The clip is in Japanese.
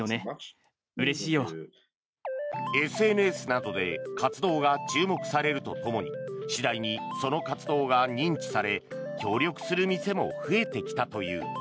ＳＮＳなどで活動が注目されるとともに次第にその活動が認知され協力する店も増えてきたという。